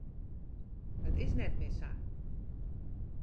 It is net mear sa.